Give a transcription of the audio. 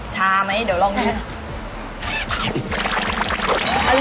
ช้าไหมเดี๋ยวลองดู